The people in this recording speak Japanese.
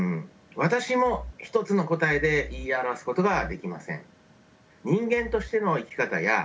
私も一つの答えで言い表すことができません。